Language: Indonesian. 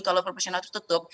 kalau proporsional tertutup